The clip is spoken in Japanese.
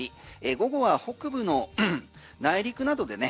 午後は北部の内陸などでね